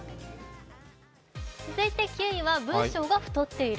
続いて９位は文章が太ってる。